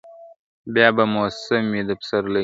بیا به موسم وي د پسرلیو ,